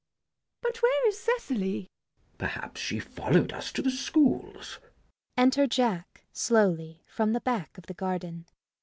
But where is Cecily? CHASUBLE. Perhaps she followed us to the schools. [Enter Jack slowly from the back of the garden.